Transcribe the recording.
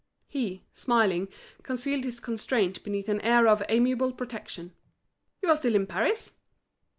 He, smiling, concealed his constraint beneath an air of amiable protection. "You are still in Paris?"